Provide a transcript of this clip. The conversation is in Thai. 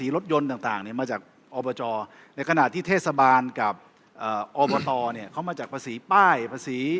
และก็ประการต่อมาครับ